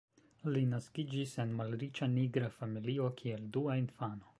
Li naskiĝis en malriĉa nigra familio, kiel dua infano.